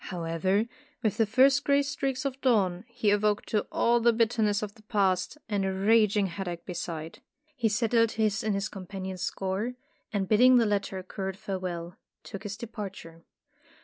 However, with the first gray streaks of dawn, he awoke to all the bitterness of the Past and a raging headache beside. He settled his and his companion's score, and bidding the latter a curt farewell, took his departure.